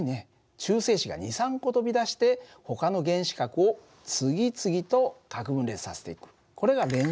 中性子が２３個飛び出してほかの原子核を次々と核分裂させていく。